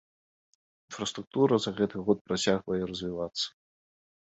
Інфраструктура за гэты год працягвае развівацца.